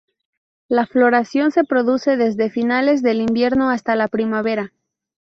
La floración se produce desde finales del invierno hasta la primavera.